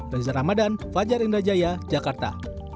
reza ramadan fajar indrajaya jakarta